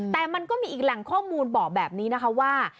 แต่มันก็มีอีกแหล่งข้อมูลบอกแบบนี้นะคะว่า